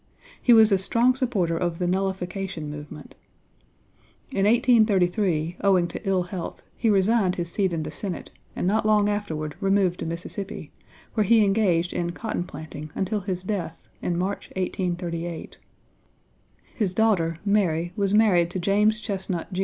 He was a strong supporter of the Nullification movement. In 1833, owing to ill health, he resigned his seat in the Senate and not long afterward removed to Mississippi, where he engaged in cotton planting until his death, in March, 1838. His daughter, Mary, was married to James Chesnut, Jr.